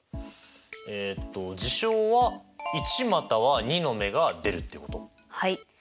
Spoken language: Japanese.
えっと事象は１または２の目が出るっていうこと。